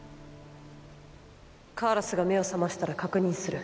カーラスが目を覚ましたら確認する。